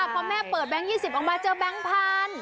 พอแม่เปิดแบงค์๒๐ออกมาเจอแบงค์พันธุ์